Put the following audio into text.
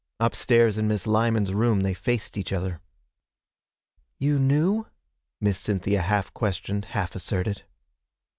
Upstairs in Miss Lyman's room they faced each other. 'You knew?' Miss Cynthia half questioned, half asserted.